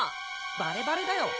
バレバレだよ。